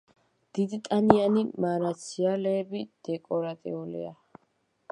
დიდტანიანი მარაციალეები დეკორატიულია.